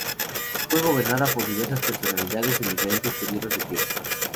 Fue gobernada por diversas personalidades en diferentes períodos de tiempo.